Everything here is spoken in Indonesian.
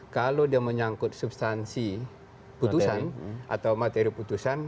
kalau dia menyangkut substansi putusan atau materi putusan